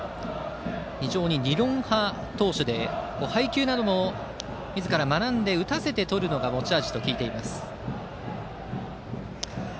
非常に理論派投手で配球などもみずから学んで打たせてとる投球が持ち味と聞いています。